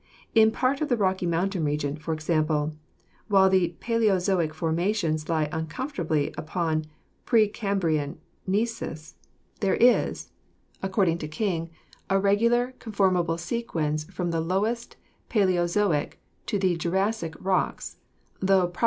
In part of the Rocky Moun tain region, for example, while the Paleozoic formations lie uncomfortably upon pre Cambrian gneiss, there is, ac 194 GEOLOGY cording to King, a regular conformable sequence from the lowest Paleozoic to the Jurassic rocks, tho probably many Fig 33 — Diagram of Folds.